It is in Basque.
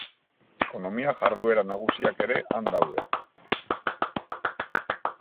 Ekonomia-jarduera nagusiak ere han daude.